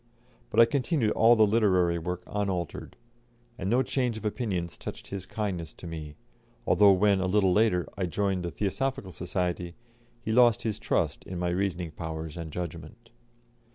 But I continued all the literary work unaltered, and no change of opinions touched his kindness to me, although when, a little later, I joined the Theosophical Society, he lost his trust in my reasoning powers and judgment.